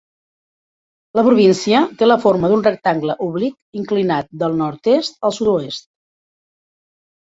La província té la forma d'un rectangle oblic inclinat del nord-est al sud-oest.